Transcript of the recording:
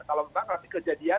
kalau kita ngasih kejadian